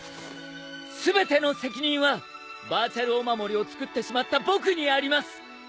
全ての責任はバーチャルお守りを作ってしまった僕にあります！